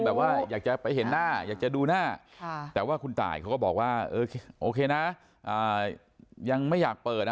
แบบว่าอยากจะไปเห็นหน้าอยากจะดูหน้าแต่ว่าคุณตายเขาก็บอกว่าเออโอเคนะยังไม่อยากเปิดนะ